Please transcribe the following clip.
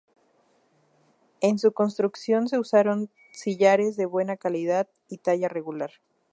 En su construcción se usaron sillares de buena calidad y talla regular.